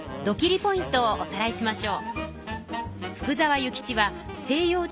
ポイントをおさらいしましょう。